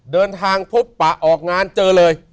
เดินทางพบปะออกงานเจอเลย